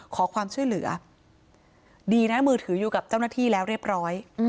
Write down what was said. ขอความช่วยเหลือดีนะมือถืออยู่กับเจ้าหน้าที่แล้วเรียบร้อย